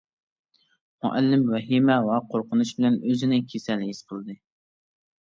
مۇئەللىم ۋەھىمە ۋە قورقۇنچ بىلەن ئۆزىنى كېسەل ھېس قىلدى.